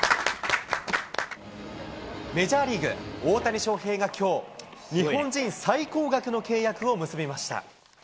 メジャーリーグ、大谷翔平がきょう、日本人最高額の契約を結びました。